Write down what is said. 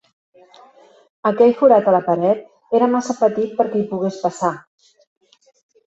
Aquell forat a la paret era massa petit per que hi pogués passar.